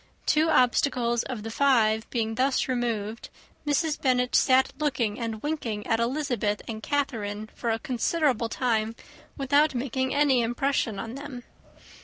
Two obstacles of the five being thus removed, Mrs. Bennet sat looking and winking at Elizabeth and Catherine for a considerable time, without making any impression on them.